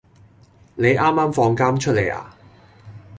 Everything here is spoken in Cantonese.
你啱啱放監出嚟呀？